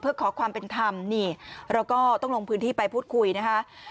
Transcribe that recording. เพื่อขอความเป็นธรรมนี่เราก็ต้องลงพื้นที่ไปพูดคุยนะคะ